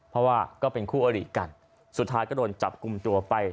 เพราะว่าก็เป็นคู่อริกันสุดท้ายก็โดนจับกลุ่มตัวไป